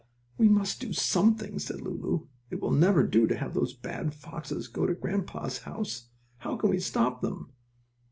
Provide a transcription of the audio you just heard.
"We must do something," said Lulu. "It will never do to have those bad foxes go to grandpa's house! How can we stop them?"